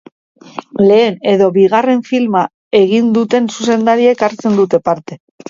Lehen edo bigarren filma egin duten zuzendariek hartzen dute parte.